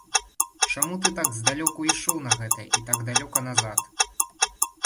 Чаму ты так здалёку ішоў на гэта, і так далёка назад?!